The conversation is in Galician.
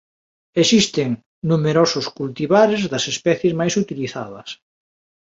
Existen numerosos cultivares das especies máis utilizadas.